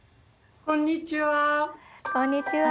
こんにちは。